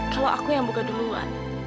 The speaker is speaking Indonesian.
kalau aku yang buka duluan